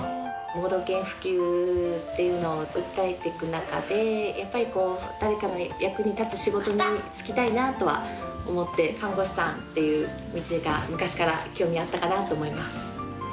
盲導犬普及っていうのを訴えていく中で、やっぱり誰かの役に立つ仕事に就きたいなとは思って、看護師さんっていう道が昔から興味あったかなと思います。